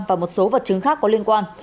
và một số vật chứng khác có liên quan